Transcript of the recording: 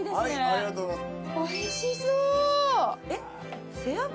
ありがとうございます。